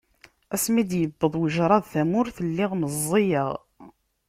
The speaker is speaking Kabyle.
Asmi d-yewweḍ wejraḍ tamurt, lliɣ meẓẓiyeɣ.